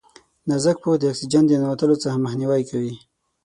نازک پوښ د اکسیجن د ننوتلو څخه مخنیوی کوي.